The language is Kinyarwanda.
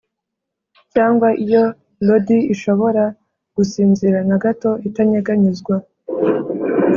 cyangwa iyo lodie ishobora gusinzira na gato itanyeganyezwa